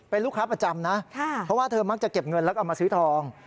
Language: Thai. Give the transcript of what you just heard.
เป็นลูกค้าประจำนะเพราะว่าเธอมักจะเก็บเงินแล้วก็เอามาซื้อทอง